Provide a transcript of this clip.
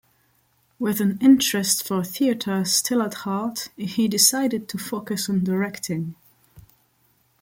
With an interest for theatre still at heart, he decided to focus on directing.